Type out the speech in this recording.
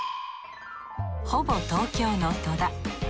ほぼ東京の戸田。